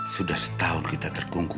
sudah setahun kita tergunggu